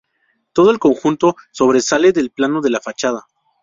Todo el conjunto sobresale del plano de la fachada.